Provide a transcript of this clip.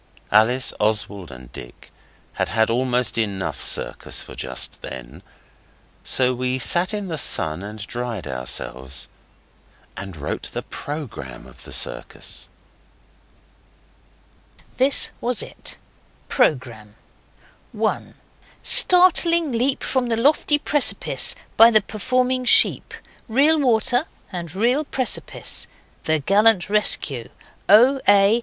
Alice, Oswald and Dick had had almost enough circus for just then, so we sat in the sun and dried ourselves and wrote the programme of the circus. This was it: PROGRAMME 1. Startling leap from the lofty precipice by the performing sheep. Real water, and real precipice. The gallant rescue. O. A.